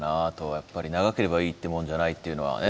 やっぱり長ければいいってもんじゃないっていうのはね